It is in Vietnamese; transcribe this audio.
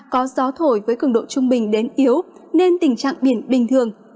có gió thổi với cứng độ trung bình đến yếu nên tình trạng biển bình thường